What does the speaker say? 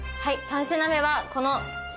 ３品目はこの。